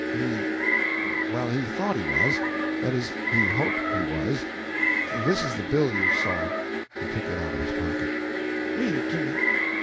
"He well, he thought he was. That is, he hoped he was. This is the bill you saw." He took it out of his pocket. "Read it to me!"